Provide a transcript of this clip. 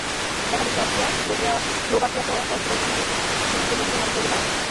দেখাদেখি অস্ট্রিয়া, স্লোভাকিয়াসহ কয়েকটি দেশ ঘোষণা দিয়েছে, সীমান্তে নিয়ন্ত্রণ আরোপ করবে তারাও।